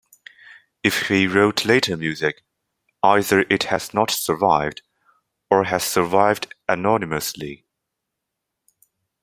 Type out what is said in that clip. If he wrote later music, either it has not survived, or has survived anonymously.